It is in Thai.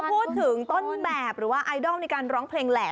พูดถึงต้นแบบหรือว่าไอดอลในการร้องเพลงแหละ